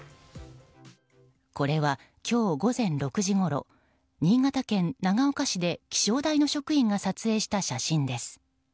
これは今日午前６時ごろ新潟県長岡市で気象台の職員が撮影した写真です。